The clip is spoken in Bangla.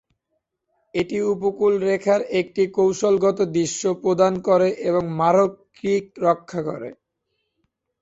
এটি উপকূলরেখার একটি কৌশলগত দৃশ্য প্রদান করে এবং মারভ ক্রিক রক্ষা করে।